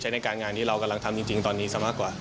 ในการงานที่เรากำลังทำจริงตอนนี้ซะมากกว่า